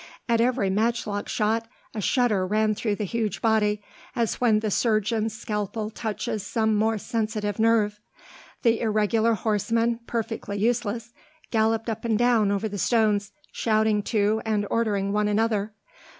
At every matchlock shot a shudder ran through the huge body, as when the surgeon's scalpel touches some more sensitive nerve. The irregular horsemen, perfectly useless, galloped up and down over the stones, shouting to and ordering one another.